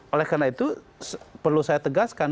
oleh karena itu perlu saya tegaskan